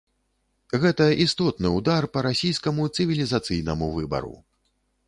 Гэта істотны ўдар па расійскаму цывілізацыйнаму выбару.